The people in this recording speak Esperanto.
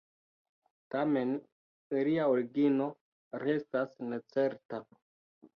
Tamen, ilia origino restas necerta.